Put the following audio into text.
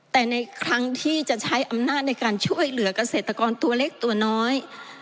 แต่ในครั้งที่จะใช้อำนาจในการช่วยเหลือกเกษตรกรตัวเล็กตัวน้อย